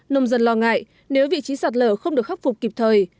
nông dân lo ngại nếu vị trí sạt lở không được khắc phục kịp thời